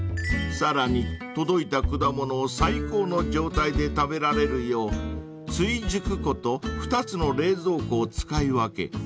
［さらに届いた果物を最高の状態で食べられるよう追熟庫と２つの冷蔵庫を使い分け